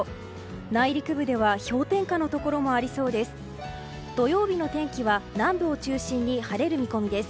内陸部では氷点下のところもありそうです。